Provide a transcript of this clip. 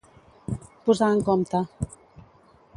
Posar en compte.